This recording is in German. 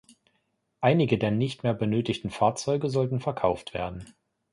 Einige der nicht mehr benötigten Fahrzeuge sollten verkauft werden.